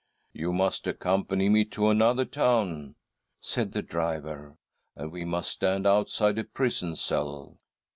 ' You must accompany me to another town," said the driver, "and we must stand outside a prison cell.